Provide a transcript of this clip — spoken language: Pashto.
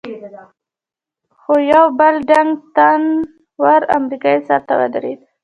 خو یو بل ډنګ، تنه ور امریکایي سر ته ودرېد.